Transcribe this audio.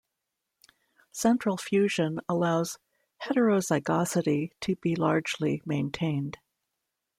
Central fusion allows heterozygosity to be largely maintained.